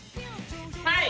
はい。